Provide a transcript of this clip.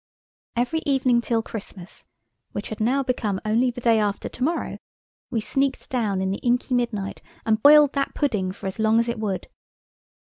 Every evening till Christmas, which had now become only the day after to morrow, we sneaked down in the inky midnight and boiled that pudding for as long as it would.